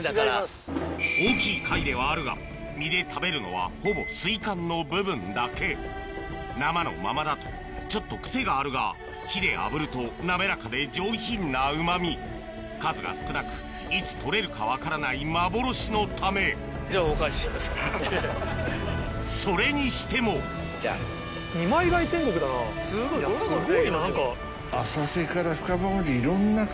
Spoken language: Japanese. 大きい貝ではあるが身で食べるのはほぼ水管の部分だけ生のままだとちょっと癖があるが火であぶると滑らかで上品なうまみ数が少なくいつ採れるか分からない幻のためそれにしてもそうですね。